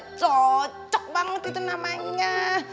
itu cocok banget itu namanya